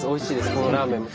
このラーメンも。